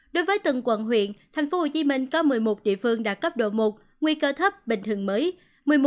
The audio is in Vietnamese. đối với từng quận huyện tp hcm có một mươi một địa phương đạt cấp độ một nguy cơ thấp bình thường mới